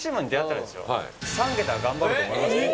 ３桁は頑張ろうと思いますよ